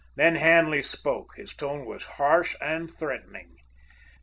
Then Hanley spoke; his tone was harsh and threatening.